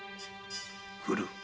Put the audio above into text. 来る。